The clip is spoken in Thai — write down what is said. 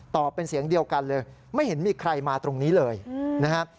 เป็นเสียงเดียวกันเลยไม่เห็นมีใครมาตรงนี้เลยนะครับ